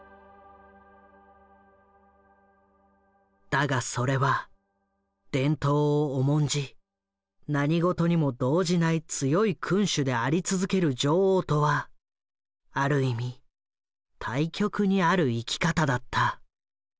だがそれは伝統を重んじ何事にも動じない強い君主であり続ける女王とはある意味対極にある生き方だった。